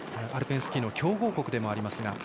アルペンスキーの強豪国でもあります。